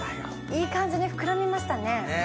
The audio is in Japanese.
いい感じに膨らみましたね。